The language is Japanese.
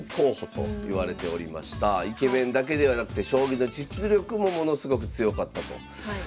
イケメンだけではなくて将棋の実力もものすごく強かったと。